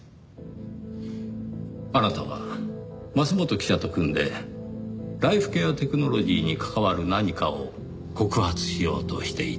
あなたは桝本記者と組んでライフケアテクノロジーに関わる何かを告発しようとしていた。